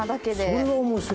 それは面白い。